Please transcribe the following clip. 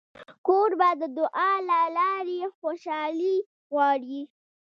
کوربه د دعا له لارې خوشالي غواړي.